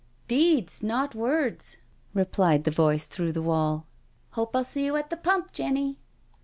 " Deeds not words," replied the voice through the wall. " Hope I'll see you at the pump, Jenny."